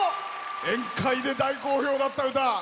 宴会で大好評だった歌！